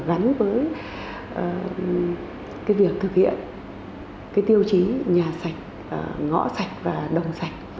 gắn với việc thực hiện tiêu chí nhà sạch ngõ sạch và đồng sạch